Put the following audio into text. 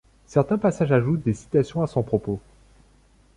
Certains passages ajoutent des citations à son propos.